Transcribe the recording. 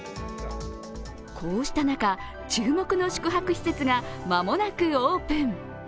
こうした中、注目の宿泊施設が間もなくオープン。